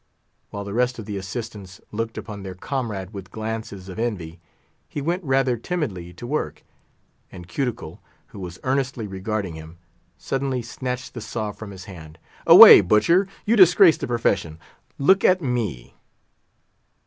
While the rest of the assistants looked upon their comrade with glances of envy, he went rather timidly to work; and Cuticle, who was earnestly regarding him, suddenly snatched the saw from his hand. "Away, butcher! you disgrace the profession. Look at _me!